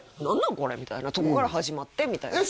これみたいなとこから始まってみたいなえっ